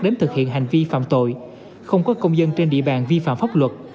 đến thực hiện hành vi phạm tội không có công dân trên địa bàn vi phạm pháp luật